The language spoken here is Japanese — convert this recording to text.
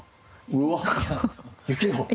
うわ雪の。